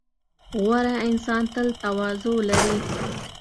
• غوره انسان تل تواضع لري.